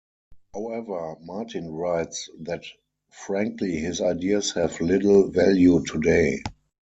However, Martin writes that "frankly, his ideas have little value today".